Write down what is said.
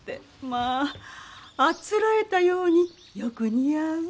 まああつらえたようによく似合う。